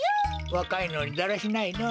わかいのにだらしないのう。